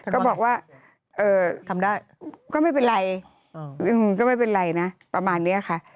ก็บอกว่าเออก็ไม่เป็นไรประมาณนี้ค่ะ